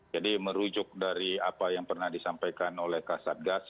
jadi merujuk dari apa yang pernah disampaikan oleh kak satgas